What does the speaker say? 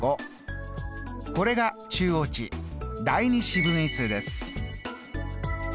これが中央値第２四分位数です。